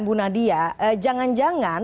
bu nadia jangan jangan